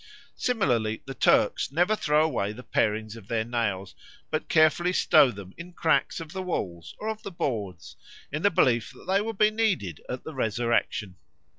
'" Similarly the Turks never throw away the parings of their nails, but carefully stow them in cracks of the walls or of the boards, in the belief that they will be needed at the resurrection.